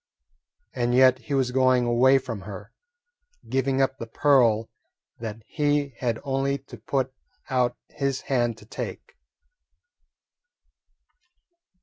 And yet he was going away from her, giving up the pearl that he had only to put out his hand to take.